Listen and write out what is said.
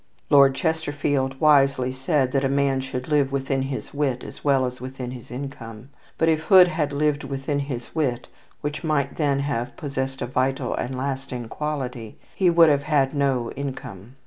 Lord Chesterfield wisely said that a man should live within his wit as well as within his income; but if Hood had lived within his wit which might then have possessed a vital and lasting quality he would have had no income.